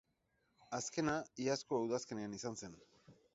Azkena iazko udazkenean izan zen.